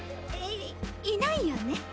いいないよね。